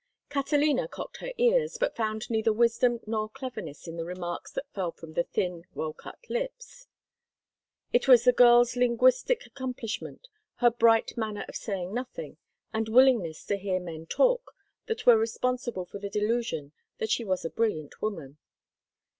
Catalina cocked her ears, but found neither wisdom nor cleverness in the remarks that fell from the thin, well cut lips. It was the girl's linguistic accomplishment, her bright manner of saying nothing, and willingness to hear men talk, that were responsible for the delusion that she was a brilliant woman.